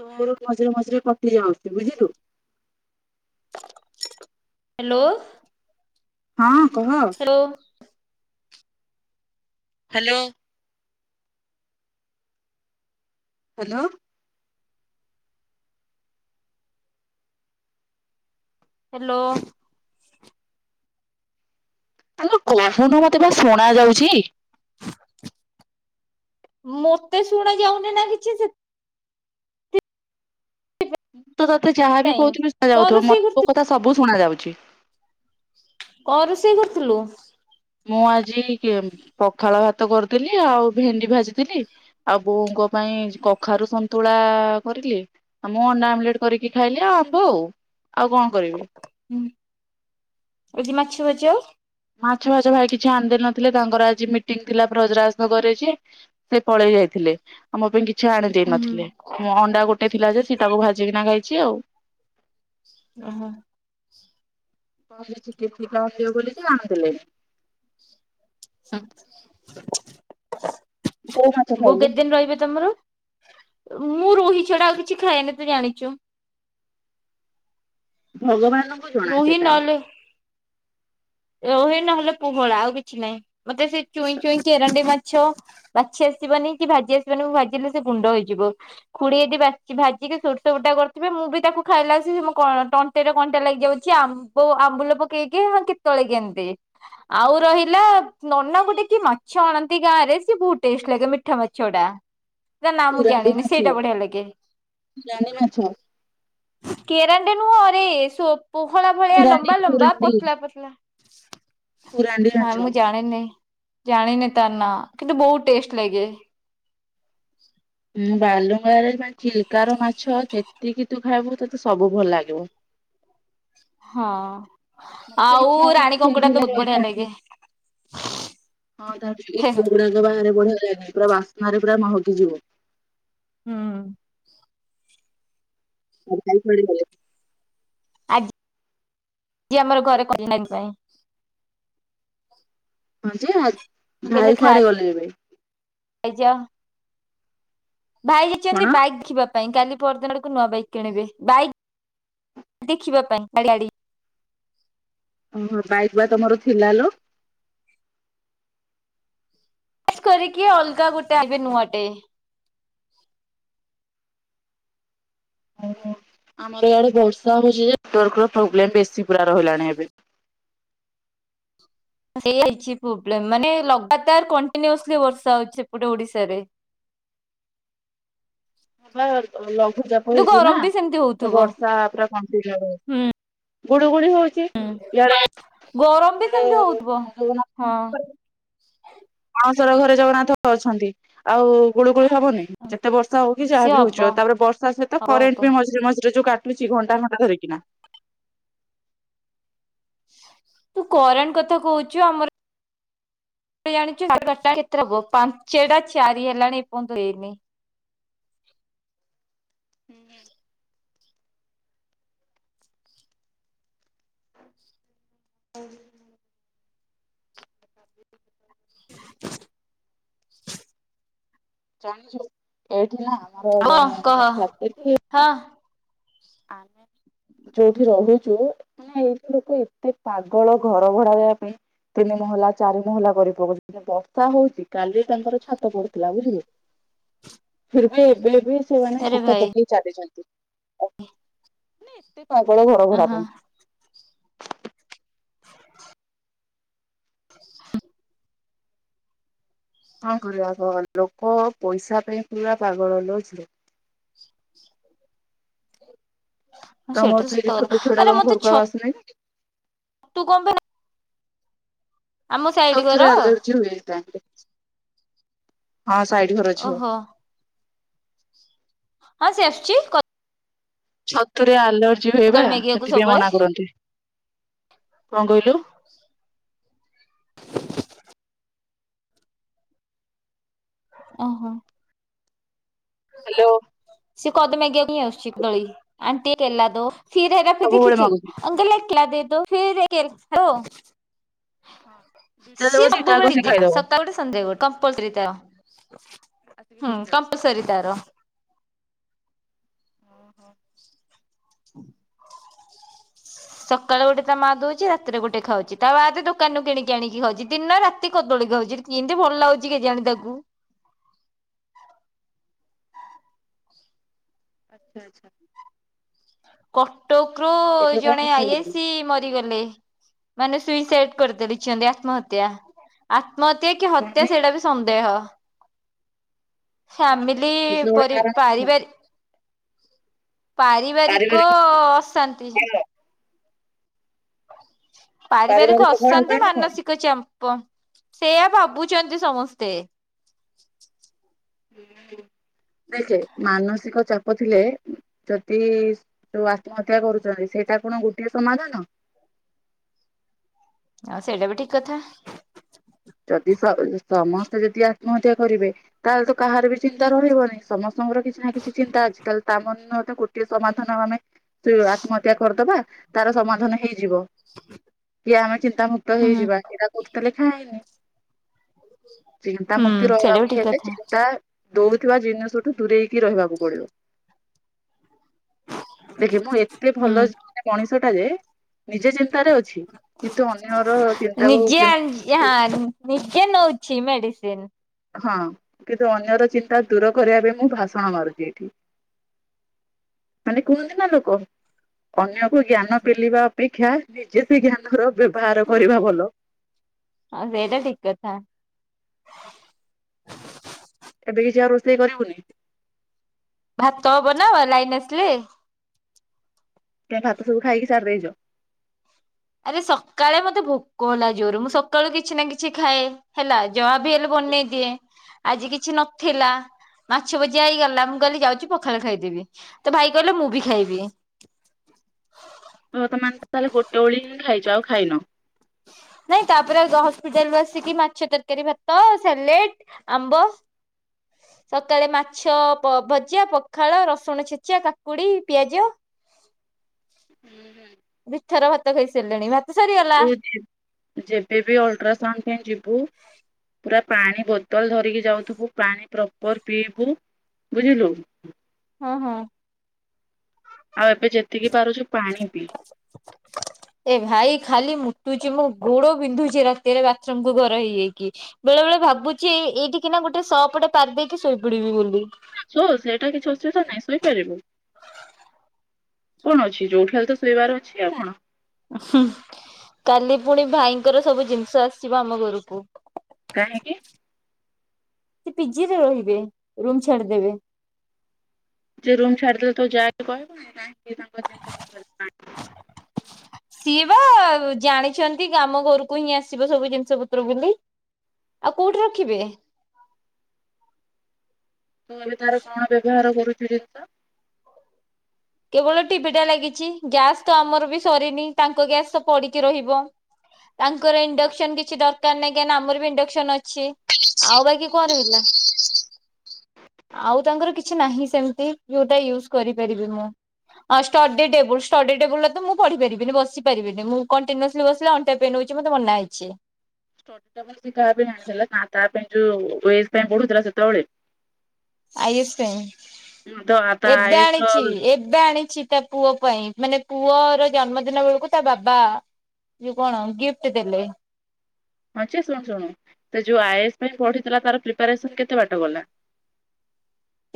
ତୋର ମଝିରେ ମଝିରେ କଟି ଯାଉଛି ବୁଝିଲୁ। ହ୍ୟାଲୋ। ହଁ କହ। Hello hello. ହ୍ୟାଲୋ। ହ୍ୟାଲୋ। ଆଲୋ କହୁନୁ ମତେ ବା ଶୁଣାଯାଉଚି। ମତେ ଶୁଣାଯାଉନି ନା କିଛି ସେ ମୁଁ ତ ତୋତେ ଯାହାବି ସେଥିପାଇଁ। କହୁଥିବି ଶୁଣା କଣ ଯାଉଥିବ ରୋଷେଇ ମତେୋ କରିଥିଲୁ କଥା ସବୁ ଶୁଣା ଯାଉଚି। କଣ ରୋଷେଇ କରୁଥୁଲୁ? ମୁଁ ଆଜି ପଖାଳ ଭାତ କରୁଥିଲି ଆଉ ଭେଣ୍ଡି ଭାଜିଥିଲି। ଆଉ ବୋଉଙ୍କ ପାଇଁ କଖାରୁ ସନ୍ତୁଳା କରିଲି ଆଉ ମୁଁ ଅଣ୍ଡା ଆମଲେଟ କରିକି ଖାଇଲି ଆଉ ଆମ୍ବ ଆଉ ଆଉ କଣ କରିବି? [unintelligible] ମାଛ ଫାଚ ମାଛ ଫାଚ ଭାଇ କିଛି ଆଣି ଦେଇନଥିଲେ ତାଙ୍କର ଆଜି ମିଟିଂ ଥିଲା ବ୍ରଜରାଜନଗର ରେ ଯେ ସେ ପଳେଇ ଯାଇଥିଲେ ଆ ମୋ ପାଇଁ କିଛି ଆଣି ହୁଁ ଦେଇେନଥିଲେ। ମୁଁ ଅଣ୍ଡା ଗୋଟେ ଥିଲା ଯେ ସେଇଟାକୁ ଭାଜିକିନା ଖାଇଚି ଆଉ। ଓହୋ। [unintelligible] କୋଉ ମାଛ ବୋଉ ଖାଇଲୁ କେତେ ଦିନ ରହିବେ ତମର? ମୁଁ ରୋହି ଛଡା ଆଉ କିଛି ଖାଏନି ତୁ ଜାଣିଚୁ। ଭଗବାନ। ରୋହି ନହେଲେ ରୋହି ନହେଲେ ପୋହଳ ଆଉ କିଛି ନାହିଁ ମତେ ସେଇ ଚୁଇଁ ଚୁଇଁ କେରାଣ୍ଡି ମାଛ ବାଛି ଆସିବନି କି ଭାଜି ଆସିବନି ଭାଜିଲେ ସେ ଗୁଣ୍ଡ ହେଇଯିବ। ଖୁଡ଼ି ଏଠି ବା ଭାଜିକି ସୋରିଷ ବଟା କରିଥିବେ ମୁଁ ବି ତାକୁ ଖାଇଲା ଆସିକି ମୋ ତ ତଣ୍ଟି ରେ କଣ୍ଟା ଲାଗିଯାଉଛି ଆମ୍ବ ଆମ୍ବୁଲ ପକେଇକି ହଁ କେତେବେଳେ କେମିତି ଆଉ ରହିଲା ନନା ଗୋଟେ କି ମାଛ ଆଣନ୍ତି ଗାଁ ରେ ସିଏ ବହୁତ ଟେଷ୍ଟ ଲାଗେ ମିଠା ମାଛ ଟା ତା ନାଁ ମୁଁ ପୁରାଣ୍ଡି ଜାଣିନି ସେଇଟା ମାଛ ବଢିଆ ଲାଗେ। ପୁରାଣ୍ଡି ମାଛ କେରାଣ୍ଡି ନୁହଁରେ ପୋହଳା ଭଳିଆ ପୁରାଣ୍ଡି ଲମ୍ବା ଲମ୍ବା ପୁରାଣ୍ଡି ପତଲା ପତଲା। ଖୁରାଣ୍ଡି ନା ମାଛ ମୁଁ ଜା ଜାଣିନି ଜାଣିନି ତା ନାଁ କିନ୍ତୁ ବହୁତ ଟେଷ୍ଟ ଲାଗେ। ବାଲୁଙ୍ଗା ରେ ନା ଚିଲିକାର ମାଛ ଯେତିକି ତୁ ଖାଇବୁ ତତେ ସବୁ ଭଲ ଲାଗିବ। ହଁ ମତେ ଆଉ ଇଚ୍ଛା ହଉଛି ମୁଁ ରାଣୀ ସେଇଠି କଙ୍କଡା ହେଲେ ତ ବହୁତ ବଢିଆ ରହିଥାନ୍ତି ଲାଗେ। ହଁ ତା ହେ ହେ। ଇତୁ ଗୁଡାକ ବାହାରେ ବୁଲିଲେଣି ପୁରା ବାସ୍ନାରେ ପୁରା ମହକି ଯିବ। ହୁଁ। ମତେ ଖାଲି ଫିଡ୍‌ ଭଲ ଲାଗେ। ଆଜି ଆଜି ଆମର ଘରେ କଳି ନାଗିଥିଲା ଏ। ହଁ ଯେ ଆ ଭାଇ କୁଆଡେ ଗଲେ ଏବେ? ଭାଇ ଯା ଭାଇ କଣ? ଯାଇଛନ୍ତି ବାଇକ୍ ଦେଖିବାକୁ। ପାଇଁ କାଲି ପରଦିନ ଆଡକୁ ନୂଆ ବାଇକ୍ କିଣିବେ ବାଇକ୍ ଦେଖିବା ପାଇଁ ଗାଡ଼ି ଓହୋ ବାଇକ୍ ବା ତମର ଥିଲା ଲୋ। ସ୍ କରିକି ଅଲଗା ଗୋଟେ ଆଇବେ ଗୋଟେ ନୂଆଟେ। ଓ ଆମର ଆଡେ ବର୍ଷା ହୋଉଛି ଯେ ନେଟ୍ୱାର୍କ ର ପ୍ରୋବ୍ଲେମ ବେଶୀ ପୁରା ରହିଲାଣି ଏବେ। ସେଇଆ ହେଇଛି ପ୍ରୋବ୍ଲେମ୍ ମାନେ ଲଗତାର୍ କଣ୍ଟିନିଓସ୍ଲି ବର୍ଷା ହୋଉଛି ସେପଟେ ଓଡିଶାରେ। ଆଲୋ ଲଘୁଚାପ କିନ୍ତୁ ହୋଉଛି ନା ଗରମ ବି ସେମିତି ତ ହଉଥିବ ବର୍ଷା ପୁରା କନ୍ଟିନିଓ ରହୁଚି। ଗୁଳୁଗୁଳି ହୋଉ ହୁଁ ଗରମ ବି ସେମିତି ହୋଉଥିବ ହଁ। ଜଗନ୍ନାଥ ଅଣସର ଘରେ ଜଗନ୍ନାଥ ଅଛନ୍ତି ଆଉ ଗୁଳୁ ଗୁଳି ହବନି ଯେତେ ବର୍ଷା ହୋଉ କି ସିଏ ଯାହା ବି ହବ ହୋଉଛି ହୋଉ। ତାପରେ ବର୍ଷା ସହିତ ହବ ହବ। କରେଣ୍ଟ ବି ମଝିରେ ମଝିରେ ଯୋଉ କା କିଛି ଘଣ୍ଟା ଘଣ୍ଟା ଧରିକି ନା। ତୁ କରେଣ୍ଟ କଥା କହୁଚୁ ଆମର ଜାଣିଛୁ ସାଢେ ବାରଟା ପାଞ୍ଚଟା ଚାରି ହେଲାଣି ଏଇପନ୍ତ ହେଇନି। [inaudible] ଆଉ [inaudible] ଜାଣିଛୁ ଏଇଠି ନା ଆମର ହଁ ଜଣେ କହ ମାନେ ଛାତ୍ରୀଟିଏ ହଁ ଆମେ ଯୋଉଠି ରହୁଛୁ ମାନେ ଏଇଠି ଲୋକ ଏତେ ପାଗଳ ଘର ଭଡା ଦେବା ପାଇଁ ତିନି ମହଲା ଚାରି ମହଲା କରି ପକୋଉଛନ୍ତି। ବର୍ଷା ହୋଉଛି କାଲି ତାଙ୍କର ଛାତ ପଡୁଥିଲା ବୁଝିଲୁ। ଫର୍ ବି ଏବେ ବି ସେମାନେ ଆରେ ଛାତ ଭାଇ ପକେଇ ଚାଲିଛନ୍ତି ମାନେ ସେ ପାଗଳ ଘରଭଡା ଓହୋ ପାଇଁ। [inaudible] କଣ କରିବା କହ ଲୋକ ପଇସା ପାଇଁ ପୁରା ପାଗଳ ଲୋ ଝିଅ। ସେଇଟା ତମର ତ ସେଇ ସତ ଯୋଉ କଥା ଛୋଟ ଛୁଆଟା ଆରେ ତମ ଘରକୁ ଆଉ ଆସିଲାନି କି? ତୁ କଣ ବୋ ବା ସାଇଡ ଘର ଛତୁରେ ଆଲର୍ଜି ହୋଇଯା ମୋର। ହଁ ସାଇଟ ଘର ଝିଅ। ଓହୋ ହଁ ସିଏ ଆସୁଚି କ ଛତୁରେ ଆଲର୍ଜି ହୁଏ ବା କଦଳୀ ମାଗିବାକୁ ସେଥିପାଇଁ ସବୁବେଳେ ମନା କରନ୍ତି। କଣ କହିଲୁ? ଅହ। ହ୍ୟାଲୋ। ସିଏ କଦ ମାଗିବାକୁ ହିଁ ଆସୁଛି ଆଣ୍ଟି କେଲା ଦୋ। ଫିର୍ ହେରା ଫେରି ସବୁବେଳେ ଦେଖିଛୁ। ମାଗୁଛି ଅଙ୍କଲ୍ ଏକେ କେଲା ଦେ ଦୋ ଫିର୍ ଏକ୍ କେଲା ହ୍ୟାଲୋ। ହଁ ଦିଟା ଦବ ସିଏ ଦିଟା ଯାକ ସବୁବେଳେ ସେ ଜିଦିଟା। ଖାଇଦବ। ସକାଳେ ଗୋଟେ ସନ୍ଧ୍ୟା ଗୋଟେ କମ୍ପଲସରି ତାର। ଆସିକି ନେଇକି ଯାଉଛି। ସରି ତାର। ଉଁ ହୁଁ। [inaudible] ସକାଳେ ଗୋଟେ ତା ମା ଦୋଉଛି ରାତିରେ ଗୋଟେ ଖାଉଛି। ତା ବାଦେ ଦୋକାନରୁ କିଣିକି ଆଣିକି ଖାଉଛି ଦିନ ରାତି କଦଳୀ ଖାଉଛି। କିନ୍ତି ଭଲ ଲାଗୁଛି କେଜାଣି ତାକୁ। ଆଛା ଆଛା। କଟକରୁ ଏବେ କଣ ଜଣେ ରୋଷେଇ ଆଇ ଆଇ କରିବୁ ସି ମରିଗଲେ। ମାନେ ସୁଇସାଇଡ କରିଦେଲିଚନ୍ତି ଆତ୍ମହତ୍ୟା। ଆତ୍ମହତ୍ୟା କି କଣ ହତ୍ୟା ପାଇଁ ସେଇଟା ବି ସନ୍ଦେହ। କଣ ପାଇଁ ଫ୍ୟାମିଲି କିଛି ତ ଗୋଟେ ପରି କାରଣ ଥିବ ପାରିବାରି ପାରିବାରିକ ଅଶାନ୍ତି। କଳହ ପାରିବାରିକ କଳହ ଅଶାନ୍ତି ପାଇଁ ନା କଣ ମାନସିକ ଚାମ୍ ପ ସେଇଆ ଭାବୁଚନ୍ତି ସମସ୍ତେ। ହୁଁ ଦେଖେ ମାନସିକ ଚାପ କଥିଲେ ଯଦି ଯୋଉ ଆତ୍ମହତ୍ୟା କରୁଚନ୍ତି ସେଇଟା କଣ ଗୋଟିଏ ସମାଧାନ? ଆ ସେଇଟା ବି ଠିକ କଥା। ଯଦି ସ ସମସ୍ତେ ଯଦି ଆତ୍ମହତ୍ୟା କରିବେ ତାହେଲେ ତ କାହାର ବି ଚିନ୍ତା ରହିବନି ସମସ୍ତଙ୍କର କିଛି ନା କିଛି ଚିନ୍ତା ତାହେଲେ ତାମାନେ ନୁହ ତ କୋ ଟିଏ ସମାଧାନ ଆମେ ଚୋ ଆତ୍ମହତ୍ୟା କରିଦବା ତାର ସମାଧାନ ହେଇଯିବ। କି ଆମେ ଚିନ୍ତାମୁକ୍ତ ହୁଁ ହେଇଯିବା ଏଇଟା କୋଉଠି ତ ଲେଖାହେଇନି। ହୁଁ ଚିନ୍ତାମୁୁକ୍ତି ସେଇଟା ବି ରହିବାକୁ ଠିକ ହେଲେ କଥା ଚିନ୍ତା ଦଉଥିବା ଜିନିଷଠୁ ଦୂରେଇକି ରହିବାକୁ ପଡିବ। ଦେଖେ ମୁଁ ଏତେ ହୁଁ। ଭଲ ଣେ ମଣିଷଟା ଯେ ନିଜେ ଚିନ୍ତାରେ ଅ ଛି କିନ୍ତୁ ଅନ୍ୟର ଚିନ୍ତାକୁ କେମ ଏହା ନିଜେ ନଉଛି ମେଡିସିନ୍। ହଁ କିନ୍ତୁ ଅନ୍ୟର ଚିନ୍ତା ଦୂର କରିବା ପାଇଁ ମୁଁ ଭାଷଣ ମାରୁଛି ଏଠି। ମାନେ କୁହନ୍ତି ନା ଲୋକ ଅନ୍ୟକୁ ଜ୍ଞାନ ପେଲିବା ଅପେକ୍ଷା ନିଜେ ସେ ଜ୍ଞାନର ବ୍ୟବହାର କରିବା ଭଲ‌। ହଁ ସେଇଟା ଠିକ କଥା। ଏବେ କିଛି ଆଉ ରୋଷେଇ କରିବୁନି? ଭାତ ହବ ନା ଲାଇନ ଆସିଲେ। କାଇଁ ଭାତ ସବୁ ଖାଇକି ସାରି ଦେଇଚ? ଆରେ ସକାଳେ ମତେ ଭୋକ ହେଲା ଜୋରେ ମୁଁ ସକାଳୁ କିଛି ନା କିଛି ଖାଏ। ହେଲା ଯହ ବି ହେଲେ ବନେଇ ଦିଏ ଆଜି କିଛି ନଥିଲା ମାଛ ଭଜା ହେଇଗଲା ମୁଁ କହିଲି ଯାଉଚି ପଖାଳ ଖାଇଦେବି ତ ଭାଇ କହିଲେ ମୁଁ ବି ଖାଇବି। ବର୍ତ୍ତମାନେ ତ ତାହେଲେ ଗୋଟେ ଓଳି ହିଁ ଖାଇଛ ଆଉ ଖାଇନ? ନାଇଁ ତାପରେ ଗ ହସ୍ପିଟାଲରୁ ଆସିକି ମାଛ ତରକାରୀ ଭାତ ସାଲେଟ୍ ଆମ୍ବ ସକାଳେ ମାଛ ପ ଭଜା ପଖାଳ ରସୁଣ ଛେଚା କାକୁଡି ପିଆଜ ଖାଇନ। ଦି ଥର ଭାତ ଖାଇସାରିଲେଣି ମାପ ଟୁଚି ଯେବେ ବି ଅଲଟ୍ରାସାଉଣ୍ଡ ପାଇଁ ଯିବୁ ପୁରା ପାଣି ବୋତଲ ଧରିକି ଯାଉଥିବୁ ପାଣି ପ୍ରପର ପିଇବୁ ବୁଝିଲୁ? ହଁ ହଁ। ଆଉ ଏବେ ଯେତିକି ପାରୁଚୁ ପାଣି ପି। [inaudible] [inaudible] ଏ ଭାଇ ଖାଲି ମୁଟୁଚି ମୋ ଗୋଡ ବିନ୍ଧୁଚି ରାତିରେ ବାଥରୁମକୁୁ ଘର ହେଇ ହେଇକି। ବେଳେ ବେଳେ ଭାବୁଛି ଏଇଠିକି ନା ଗୋଟେ ଶପଟେ ପାରି ଦେଇକି ଶୋଇପଡିବି ବୋଲି। ସୋ ସେଇଟା କିଛି ଅସୁବିଧା ନାହିଁ ଶୋଇପାରିବୁ। କଁ ଅଛି ଯୋଉଠି ହେଲେ ତ ଶୋଇବାର ଅଛି ଆଉ କଣ। ହୁଁ କାଲି ପୁଣି ଭାଇଙ୍କର ସବୁ ଜିନିଷ ଆସିବ ଆମ ଘରକୁ। କାହିଁକି? ସେ ପିଜିରେ ରହିବେ ରୁମ ଛାଡିଦେବେ। ଯେ ରୁମ ଛାଡିଦେଲେ ତ ଯାକୁ କହିବୁନୁ କି ନାଇ ସିଏ ତାଙ୍କର ଜିନିଷ ପତ୍ର ପା [inaudible] ସିଏ ବା ଜାଣିଛନ୍ତି ଆମ ଘରକୁ ହିଁ ଆସିବ ସବୁ ଜିନିଷ ପତ୍ର ବୋଲି। ଆଉ କୋଉଠି ରଖିବେ? ତୁ ଏବେ ତାର କଣ ବ୍ୟବହାର କରୁଛୁ ଜିନିଷ? କେବଳ ଟିଭିିଟା ଲାଗିଛି ଗ୍ୟାସ୍ ତ ଆମର ବି ସରିନି ତାଙ୍କ ଗ୍ୟାସ ତ ପଡିକି ରହିବ। ତାଙ୍କର ଇଣ୍ଡକ୍ସନ କିଛି ଦରକାର ନାହିଁ କାହିଁକି ନା ଆମର ବି ଇଣ୍ଡକ୍ସନ ଅଛି। ଅଛି ଆଉ ବାକି କଣ ରହିଲା? ଆଉ ତାଙ୍କର କିଛି ନାହିଁ ସେମିତି ଯୋଉଟା ୟୁଜ କରିପାରିବି ମୁଁ। ଷ୍ଟଡି ଟେବୁଲ୍ ଷ୍ଟଡି ଟେବୁଲ ରେ ତ ମୁଁ ପଢି ପାରିବିନି ବସି ପାରିବିନି ମୁଁ କଣ୍ଟିନୁୟସଲି ବସିଲେ ଅଣ୍ଟା ପେନ ହୋଉଚି ମତେ ମନା ହେଇଛି। ଷ୍ଟଡି ଟେବୁଲ ସିଏ କାହା ପାଇଁ ଆଣିଥିଲା ତା ପାଇଁ ଯୋଉ ଓଏସ ପାଇଁ ପଢୁଥିଲା ସେତେବେଳେ। ଆଏସ ପାଇଁ ତ ତା ଏବେ ଆଇଏସ୍ ର ଆଣିଛି ହଁ ଏ ଏବେ ଆଣିଛି ତା ପୁଅ ପାଇଁ ମାନେ ପୁଅର ଜନ୍ମଦିନ ବେଳକୁ ତା ବାବା ଏ ଯୋଉ କଣ ଗିଫ୍ଟ ଦେଲେ? ହଁ ଯେ ଶୁଣୁ ଶୁଣୁ ସେ ଯୋଉ ଆଏସ୍ ପାଇଁ ପଢିଥିଲା ତାର ପ୍ରିପାରେସନ କେତେ ବାଟ ଗଲା?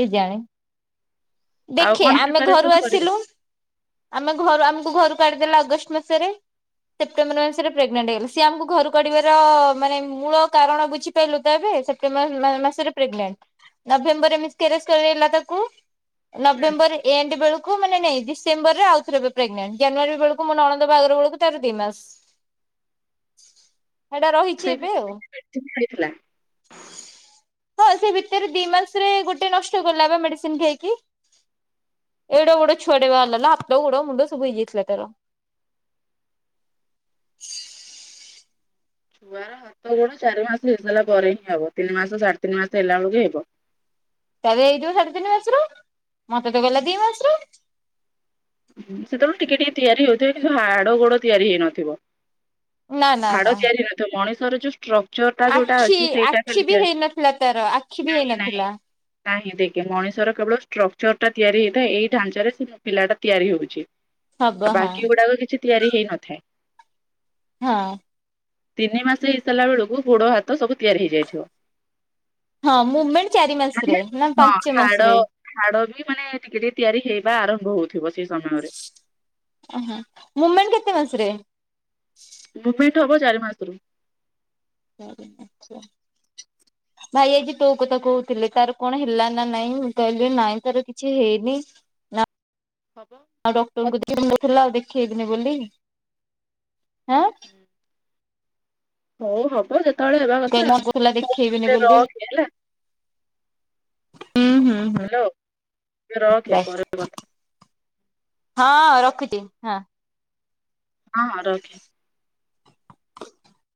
କେଜାଣି ଆଉ ଦେଖେ କଣ ଆମେ ଘରୁ ପ୍ରିପାରେସନ କରିବୁ ଆସିଲୁ ଆମେ ଘରୁ ଆମକୁ ଘରୁ କାଢିଦେଲା ଅଗଷ୍ଟ ମାସରେ ସେପ୍ଟେମ୍ବର ମାସରେ ପ୍ରେଗନେଣ୍ଟ ହେଗଲେ ସିଏ ଆମକୁ ଘରୁ କାଢିବାର ମାନେ ମୂଳ କାରଣ ବୁଝି ପାରିଲୁ ତ ଏବେ ସେପ୍ଟେମ୍ବର ମାସ ମାସରେ ପ୍ରେଗନେଣ୍ଟ ନଭେମ୍ବର କେରେସ କରେଇଲା ତାକୁ ହୁଁ ନଭେମ୍ବର ଏଣ୍ଡ ବେଳକୁ ଥ ମାନେ ନାଇ ଡିସେମ୍ୱର ରେ ଆଉଥରେ ବୋଧେ ପ୍ରେଗନେଣ୍ଟ ଜାନୁଆରୀ ବେଳକୁ ମୁଁ ନଣନ୍ଦ ବାହାଘର ବେଳକୁ ତାର ଦି ମାସ। ହେଟା ରହିଛି ସେଇ ଏବେ ଆଉ। ମେଡିସିନ ଖାଇଥିଲା। ହଁ ସେ ଭିତରେ ଦି ମାସରେ ଗୋ ଗୋଟେ ନଷ୍ଟ କଲା ବା ମେଡିସିନ ଖାଇକି। ଏଡେ ବଡ ଛୁଆ ଟେ ବାହାରିଲା ଲୋ ହାତ ଗୋଡ଼ ମୁଣ୍ଡ ସବୁ ହେଇ ଯାଇ ଥିଲା ତାର। ଛୁଆର ହାତ ଗୋଡ ଚାରି ମାସ ହେଇସାରିଲା ପରେ ହିଁ ହବ ତିନି ମାସ ସାଢେ ତିନି ମାସ ହେଲା ବେଳକୁ ହେବ। ତାହେଲେ ହେଇଥିବ ସାଢେ ତିନି ମାସର ମତେ ତ କହିଲା ଦି ମାସର। ସେତେବେଳେ ଟିକେ ଟିକେ ତିଆରି ହଉଥିବେ କିନ୍ତୁ ହାଡ ଗୋଡ ତିଆରି ହେଇନଥିବ। ନା ନା ହାଡ ନା ତିଆରି ନଥିବ ମଣିଷର ଯୋଉ ଷ୍ଟ୍ରକ୍ ଚରଟା ଯୋଉଟା ଆଖି ଅଛି ସେଇଟା ଆଖି ଖାଲି ବି ତିଆରୀ ହେଇନଥିଲା ତାର ଆଖି ବି ନାଇଁ ନାଇଁ। ହେଇନଥିଲା ନାହିଁ ଦେଖେ ମଣିଷର କେବଳ ଷ୍ଟ୍ରକ୍ଚର ଟା ତିଆରି ହେଇଥାଏ ଏଇ ଢାଞ୍ଚାରେ ସେ ପିଲାଟା ତିଆରି ହଉଛି ହବ ଆଉ ହଁ ବାକି ଗୁଡାକ କିଛି ତିଆରି ହେଇନଥାଏ। ହଁ। ତିନି ମାସ ହେଇ ସାରିଲା ବେଳକୁ ଗୋଡ ହାତ ସବୁ ତିଆରି ହେଇଯାଇଥିବ। ହଁ ମୁମେଣ୍ଟ ଚାରି ମାସ ରେ ମାନେ ନା ହଁ ପାଞ୍ଚ ହାଡ ମାସରେ? ହାଡ ବି ମାନେ ଟିକେ ଟିକେ ତିଆରି ହେଇବା ଆରମ୍ଭ ହଉ ଥିବ ସେଇ ସମୟରେ। ଓହୋ ମୁମେଣ୍ଟ କେତେ ମାସରେ? ମୁମେଣ୍ଟ ହବ ଚାରି ମାସରୁ। ହଁ କୁହ। ଭାଇ ଆଜି ତୋ କଥା କହୁଥିଲେ ତାର କଣ ହେଲା ନା ନାଇଁ ମୁଁ କହିଲି ନାଇଁ ତାର କିଛି ହେଇନି। ନା ହବ ଆଉ ଡକ୍ଟରଙ୍କୁ ଦେଖ ନଥିଲା ଆଉ ଦେଖେଇବିନି ବୋଲି ଆ ହୁଁ। ହଉ ହବ ଯେତେବେଳେ ହେବା କଥା କହିଲା ହଉ ଦେଖେଇବିନି ଏବେ ବୋଲି ରଖେ ହେଲା। ହୁଁ ହୁଁ ହୁଁ ହାଲୋ ତୁ ରଖେ ବାଏ ପରେ କଥା ହଁ ରଖୁଛି ହଁ। ହଁ ରଖେ।